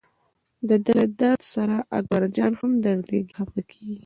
دده له درد سره اکبرجان هم دردېږي خپه کېږي.